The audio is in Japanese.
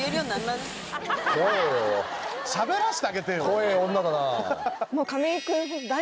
怖えぇ女だな。